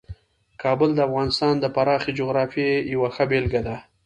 کابل د افغانستان د پراخې جغرافیې یوه ښه بېلګه ده.